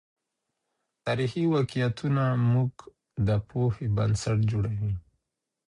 تاريخي واقعيتونه زموږ د پوهې بنسټ جوړوي.